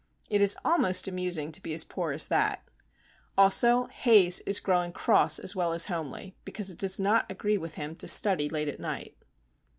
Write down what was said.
It is almost amusing to be as poor as that. Also, Haze is growing cross as well as homely, because it does not agree with him to study late at night.